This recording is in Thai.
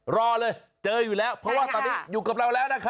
รอเลยเจออยู่แล้วเพราะว่าตอนนี้อยู่กับเราแล้วนะคะ